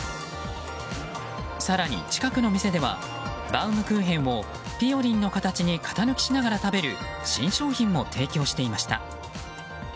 更に、近くの店ではバウムクーヘンをぴよりんの形に型抜きしながら食べる新商品も提供してました。